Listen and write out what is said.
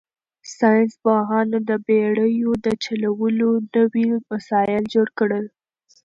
ساینس پوهانو د بېړیو د چلولو نوي وسایل جوړ کړل.